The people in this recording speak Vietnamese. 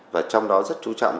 và trong đó rất chú trọng